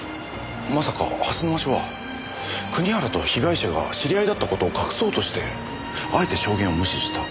まさか蓮沼署は国原と被害者が知り合いだった事を隠そうとしてあえて証言を無視した。